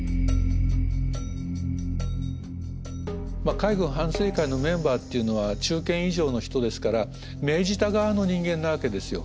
海軍反省会のメンバーっていうのは中堅以上の人ですから命じた側の人間なわけですよ。